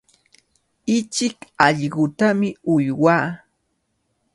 Ichik allqutami uywaa.